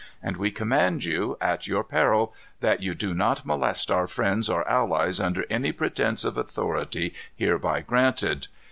And we command you, at your peril, that you do not molest our friends or allies under any pretence of authority hereby granted.